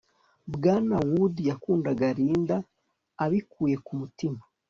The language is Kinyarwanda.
bwana wood yakundaga linda abikuye ku mutima